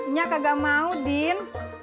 nyak kagak mau din